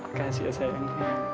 makasih ya sayang